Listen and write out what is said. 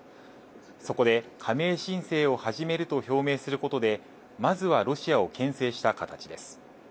そこで、加盟申請を始めると表明することで、まずはロシアをけん制した形です。